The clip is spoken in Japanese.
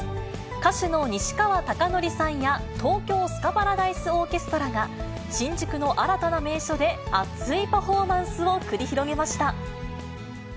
歌手の西川貴教さんや東京スカパラダイスオーケストラが、新宿の新たな名所で熱いパフォーマンスを繰り広げました。